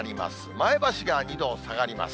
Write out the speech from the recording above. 前橋が２度下がります。